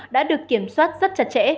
đã được kiểm soát rất chặt chẽ